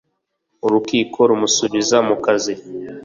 urukiko rumusubiza mu kazi